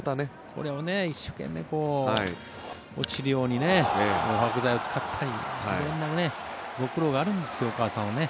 これを一生懸命落ちるように漂白剤を使ったり色んなご苦労がお母さんはあるんですよね。